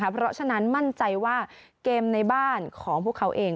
เพราะฉะนั้นมั่นใจว่าเกมในบ้านของพวกเขาเอง